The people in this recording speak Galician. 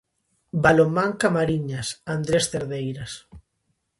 Balonmán Camariñas, Andrés Cerdeiras.